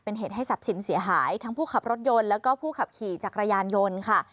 เป็นเหตุให้ทรัพย์สินเสียหายทั้งผู้ขับรถยนต์แล้วก็ผู้ขับขี่จักรยานยนต์ค่ะ